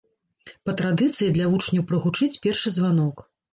Па традыцыі, для вучняў прагучыць першы званок.